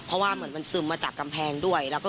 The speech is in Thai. เพราะว่าเหมือนมันซึมมาจากกำแพงด้วย